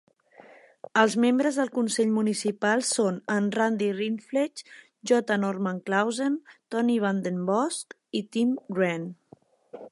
Els membres del Consell Municipal són en Randy Rindfleisch, J. Norman Clausen, Tony VandenBosch i Tim Wrenn.